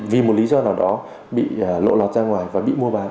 vì một lý do nào đó bị lộ lọt ra ngoài và bị mua bán